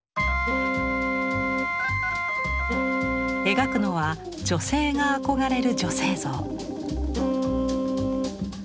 描くのは女性が憧れる女性像。